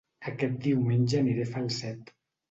Aquest diumenge aniré a Falset